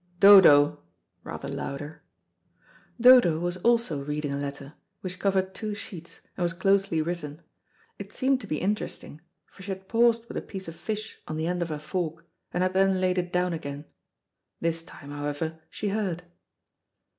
"Dodo," rather louder. Dodo was also reading a letter, which covered two sheets and was closely written. It seemed to be interesting, for she had paused with a piece of fish on the end of her fork, and had then laid it down again. This time, however; she heard.